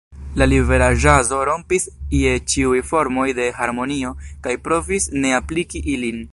La libera ĵazo rompis je ĉiuj formoj de harmonio kaj provis ne apliki ilin.